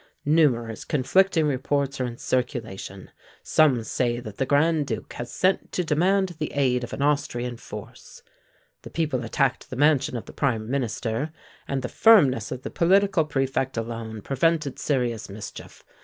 Numerous conflicting reports are in circulation: some say that the Grand Duke has sent to demand the aid of an Austrian force. The people attacked the mansion of the Prime Minister; and the firmness of the Political Prefect alone prevented serious mischief.